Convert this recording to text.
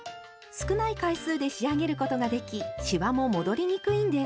少ない回数で仕上げることができしわも戻りにくいんです。